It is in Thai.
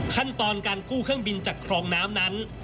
ขั้นตอนการกู้เครื่องบินจากครองน้ำนั้น